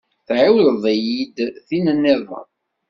Tɛiwed-iyi-d tin nniḍen.